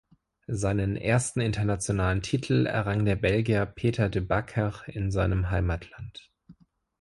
Seinen ersten internationalen Titel errang der Belgier Peter de Backer in seinem Heimatland.